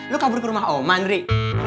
lu kabur ke rumah oman ri